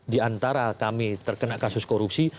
di antara kami terkena kasus korupsi